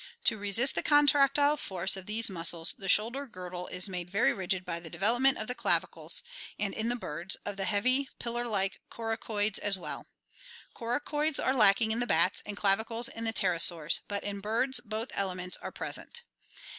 To resist the contractile force of these muscles the shoulder girdle is made very rigid by the development of the clavicles and, in the birds, of the heavy pillar like coracoids as well. Coracoids are lacking in the bats, and clavicles in the pterosaurs, but in birds both elements are present.